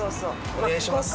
お願いします。